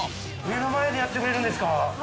目の前でやってくれるんですか。